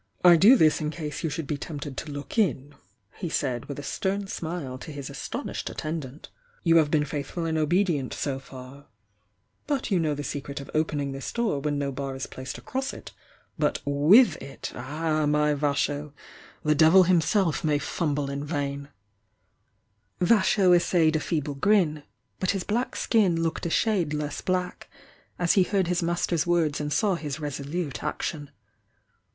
"I do this in case you should be tempted to look in " he said with a stem smile to his astonished Mant 'Tou have been faithful and obedien BO far but you know the secret of openmg this ?oor when no>ar is placed across it, but mth it! THE YOUNG DIANA 293 —ah, my Vasho!— the devil himself may fumble in vam!" 1 Y^*^" essayed a feeble grin,— but his black skin looked a shade less black, as he heard his master's words and saw his resolute action.